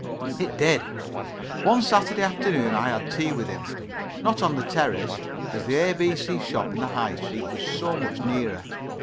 It did. One Saturday afternoon I had tea with him not on the Terrace, as the A.B.C. shop in the High Street was so much nearer.